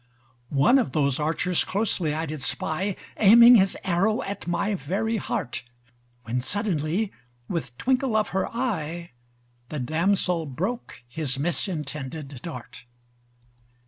One of those archers closely I did spy, Aiming his arrow at my very heart: When suddenly with twinkle of her eye, The Damsel broke his misintended dart.